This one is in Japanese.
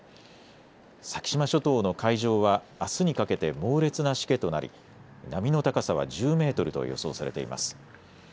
先島諸島の海上はあすにかけて猛烈なしけとなり波の高さは１０メートルと予想されています。